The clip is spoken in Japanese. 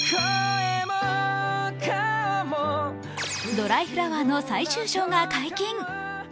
「ドライフラワー」の最終章が解禁。